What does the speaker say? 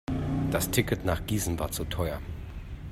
Das Ticket nach Gießen war zu teuer